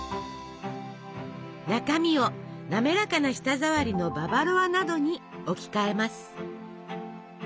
中身を滑らかな舌触りのババロアなどに置き換えます。